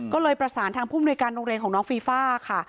ก็เลยประสานทางผู้มนุยการโรงเรียนของน้องฟีฟ่าค่ะ